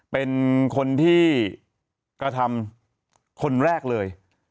เป็นคนที่กระทำคนแรกเลย